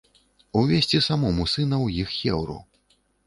Увесці самому сына ў іх хеўру.